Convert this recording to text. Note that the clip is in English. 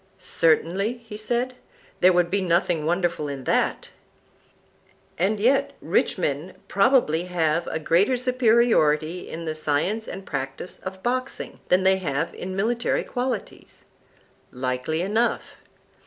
Certainly, he said, there would be nothing wonderful in that. And yet rich men probably have a greater superiority in the science and practise of boxing than they have in military qualities. Likely enough.